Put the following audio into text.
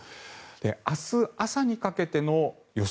明日朝にかけての予想